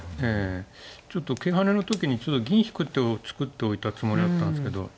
ええちょっと桂跳ねの時に銀引く手を作っておいたつもりだったんですけど。